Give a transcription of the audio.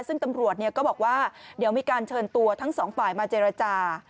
ซึ่งตำรวจก็บอกว่าเดี๋ยวมีการเชิญตัวทั้งสองฝ่ายมาเจรจา